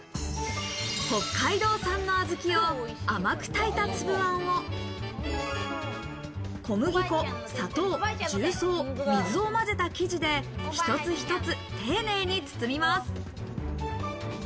北海道産の小豆を甘く炊いたつぶあんを小麦粉、砂糖、重曹、水をまぜた生地で、一つ一つ丁寧に包みます。